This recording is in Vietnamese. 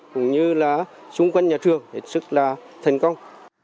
cũng như là xung quanh nhà trường rất là thành công